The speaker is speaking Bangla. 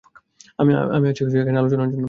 আমি আছি আলোচনার জন্য।